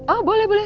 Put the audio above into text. oh boleh boleh